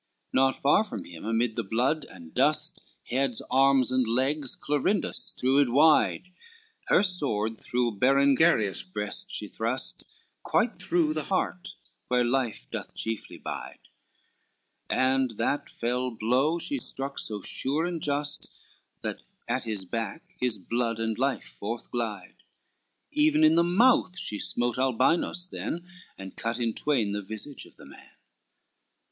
LXVIII Not far from him amid the blood and dust, Heads, arms, and legs, Clorinda strewed wide Her sword through Berengarius' breast she thrust, Quite through the heart, where life doth chiefly bide, And that fell blow she struck so sure and just, That at his back his life and blood forth glide; Even in the mouth she smote Albinus then, And cut in twain the visage of the man.